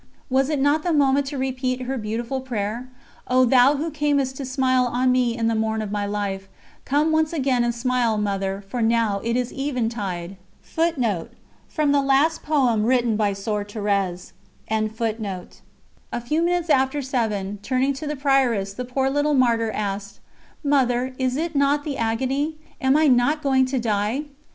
Was it not the moment to repeat her beautiful prayer: "O thou who camest to smile on me in the morn of my life, come once again and smile, Mother, for now it is eventide!" A few minutes after seven, turning to the Prioress, the poor little Martyr asked: "Mother, is it not the agony? ... am I not going to die?"